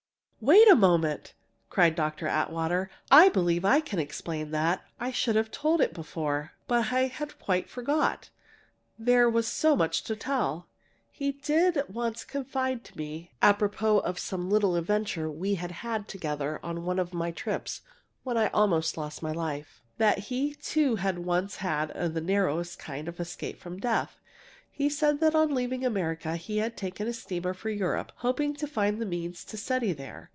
"Wait a moment!" cried Dr. Atwater. "I believe I can explain that. I should have told it before, but I quite forgot; there was so much to tell. He did once confide to me (apropos of some little adventure we had had together on one of my trips, when I almost lost my life) that he too had once had the narrowest kind of escape from death. He said that on leaving America he had taken a steamer for Europe, hoping to find the means to study there.